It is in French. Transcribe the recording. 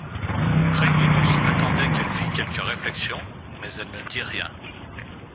Régulus attendait qu'elle fit quelque réflexion, mais elle ne dit rien.